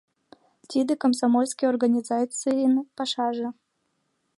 Тиде комсомольский организацийын пашаже.